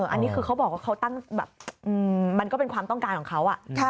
อันนี้คือเขาบอกว่ามันก็เป็นความต้องการของเขา